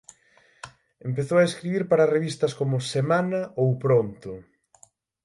Empezou a escribir para revistas como "Semana" ou "Pronto".